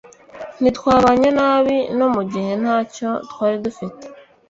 ntitwabanye nabi no mugihe ntacyo twari dufite